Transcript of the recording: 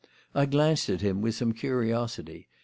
I glanced at him with some curiosity.